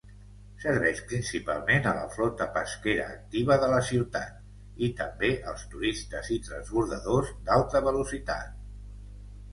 Serveix principalment a la flota pesquera activa de la ciutat, i també als turistes i transbordadors d'alta velocitat.